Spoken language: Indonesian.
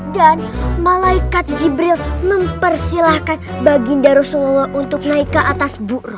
dan malaikat jibril mempersilahkan baginda rasulullah untuk naik ke atas bukrok